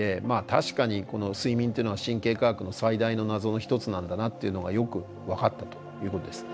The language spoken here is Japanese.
確かに睡眠っていうのは神経科学の最大の謎の一つなんだなっていうのがよく分かったということです。